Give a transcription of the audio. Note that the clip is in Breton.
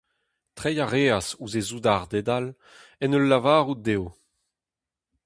Treiñ a reas ouzh e soudarded all, en ur lavarout dezho :